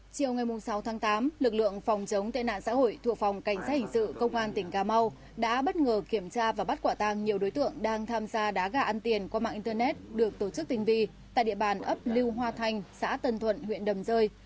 chiều ngày sáu tháng tám lực lượng phòng chống tệ nạn xã hội thuộc phòng cảnh sát hình sự công an tỉnh cà mau đã bất ngờ kiểm tra và bắt quả tàng nhiều đối tượng đang tham gia đá gà ăn tiền qua mạng internet được tổ chức tinh vi tại địa bàn ấp lưu hoa thanh xã tân thuận huyện đầm rơi